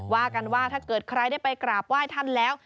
ว่ากันว่าถ้าเกิดใครได้ไปกราบไหว้ท่านแล้ว